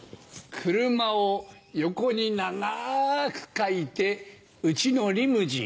「車」を横に長く書いてうちのリムジン。